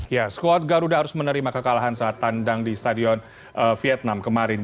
ya skuad garuda harus menerima kekalahan saat tandang di stadion vietnam kemarin